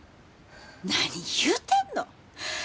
何言うてんの！